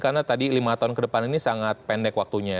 karena tadi lima tahun ke depan ini sangat pendek waktunya